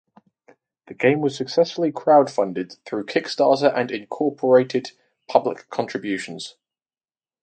The game was successfully crowdfunded through Kickstarter and incorporated public contributions.